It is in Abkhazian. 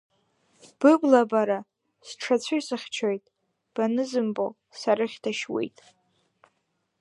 Быблабара сҽацәысхьчоит, банзынбо, сарыхьҭшьуеит.